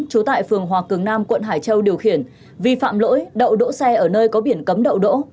trú tại phường hòa cường nam quận hải châu điều khiển vi phạm lỗi đậu đỗ xe ở nơi có biển cấm đậu đỗ